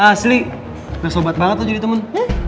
asli udah sobat banget tuh jadi temen